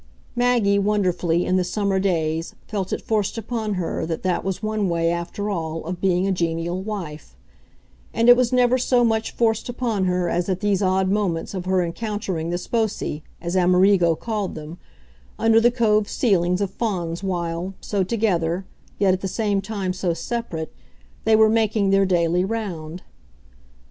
Maggie, wonderfully, in the summer days, felt it forced upon her that that was one way, after all, of being a genial wife; and it was never so much forced upon her as at these odd moments of her encountering the sposi, as Amerigo called them, under the coved ceilings of Fawns while, so together, yet at the same time so separate, they were making their daily round.